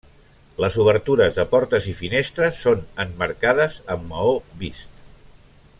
Les obertures de portes i finestres són emmarcades amb maó vist.